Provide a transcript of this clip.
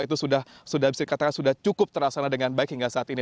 itu sudah bisa dikatakan sudah cukup terasana dengan baik hingga saat ini